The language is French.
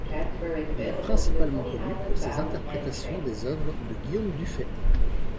Il est principalement connu pour ses interprétations des œuvres de Guillaume Dufay.